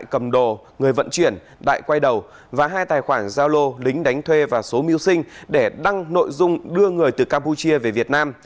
cầm đồ người vận chuyển đại quay đầu và hai tài khoản giao lô lính đánh thuê và số mưu sinh để đăng nội dung đưa người từ campuchia về việt nam